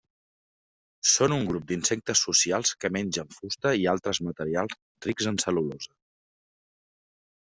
Són un grup d'insectes socials que mengen fusta i altres materials rics en cel·lulosa.